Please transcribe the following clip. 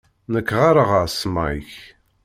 Nekk ɣɣareɣ-as Mike.